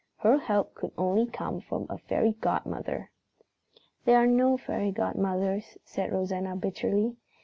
Her help could only come from a fairy godmother." "There are no fairy godmothers," said Rosanna bitterly.